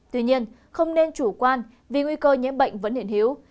tuy nhiên không nên chủ quan vì nguy cơ nhiễm bệnh vẫn hiện hiếu